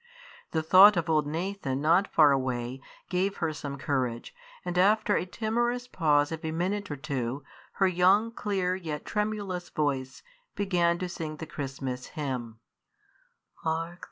The thought of old Nathan not far away gave her some courage, and, after a timorous pause of a minute or two, her young, clear, yet tremulous voice began to sing the Christmas Hymn: Hark!